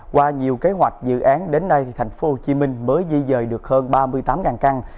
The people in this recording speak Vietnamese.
qua nhiều kế hoạch dự án đến nay tp hcm mới di dời được hơn ba mươi tám căn